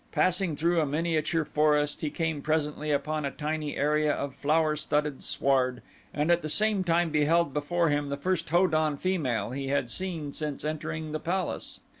Passing through a miniature forest he came presently upon a tiny area of flowerstudded sward and at the same time beheld before him the first Ho don female he had seen since entering the palace.